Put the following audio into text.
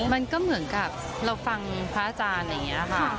มันก็เหมือนกับเราฟังพระอาจารย์อะไรอย่างนี้ค่ะ